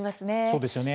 そうですよね。